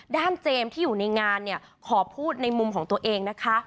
เจมส์ที่อยู่ในงานเนี่ยขอพูดในมุมของตัวเองนะคะ